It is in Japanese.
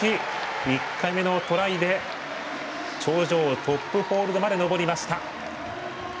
１回目のトライで頂上、トップホールドまで登りました。